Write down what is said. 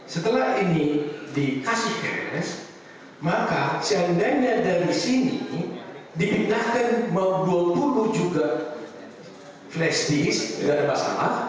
setelah ini dikasih caps maka seandainya dari sini dipindahkan mau dua puluh juga flash disk tidak ada masalah